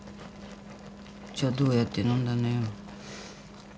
じゃあどうやって飲んだのよ。